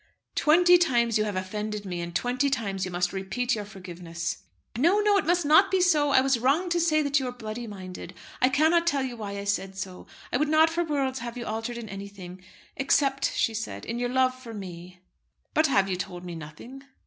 "Twenty times you have offended me, and twenty times you must repeat your forgiveness." "No, no, it must not be so. I was wrong to say that you were bloody minded. I cannot tell why I said so. I would not for worlds have you altered in anything; except," she said, "in your love for me." "But have you told me nothing?"